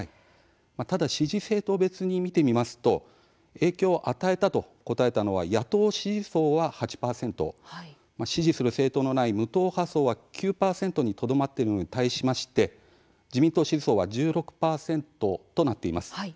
ただ支持政党別に見てみますと影響を与えたと答えたのは野党支持層は８％支持する政党のない無党派層は９％にとどまっているのに対しまして自民党支持層は１６％となっています。